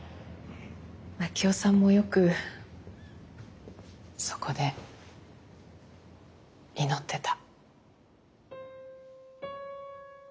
真樹夫さんもよくそこで祈ってた。